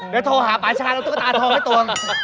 เดี๋ยวโทรอาพาชาสและตู๊กตากาตาโทรไว้ตัว